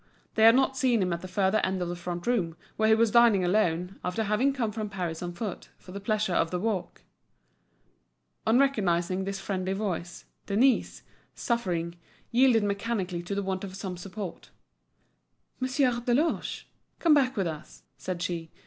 They had not seen him at the further end of the front room, where he was dining alone, after having come from Paris on foot, for the pleasure of the walk. On recognising this friendly voice, Denise, suffering, yielded mechanically to the want of some support. "Monsieur Deloche, come back with us," said she.